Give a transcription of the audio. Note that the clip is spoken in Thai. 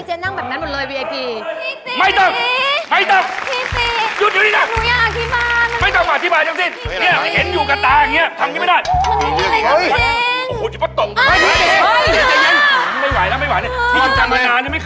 แต่เตะหมาดาวหญิงชิงซองปะปะพ้าเนี่ยพี่ถนัดนั้นไหม